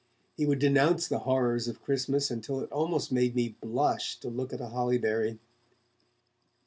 He would denounce the horrors of Christmas until it almost made me blush to look at a holly berry.